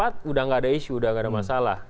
sudah tidak ada isu sudah tidak ada masalah